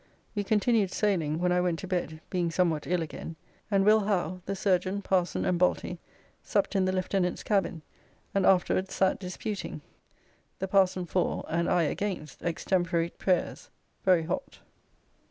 We continued sailing when I went to bed, being somewhat ill again, and Will Howe, the surgeon, parson, and Balty supped in the Lieutenant's cabin and afterwards sat disputing, the parson for and I against extemporary prayers, very hot.